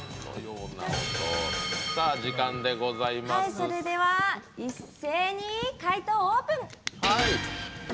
それでは一斉に解答オープン！